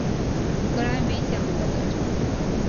格莱美奖获得者。